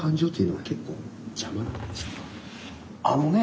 あのね。